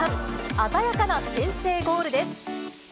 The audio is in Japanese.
鮮やかな先制ゴールです。